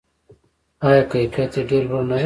آیا کیفیت یې ډیر لوړ نه دی؟